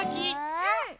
うん！